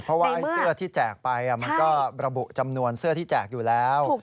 เพราะว่าไอ้เสื้อที่แจกไปมันก็ระบุจำนวนเสื้อที่แจกอยู่แล้ว